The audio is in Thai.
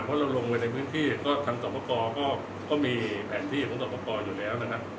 เพราะเราลงไปในพื้นที่ก็ทางสอบประกอบก็มีแผนที่ของสอบประกอบอยู่แล้วนะครับ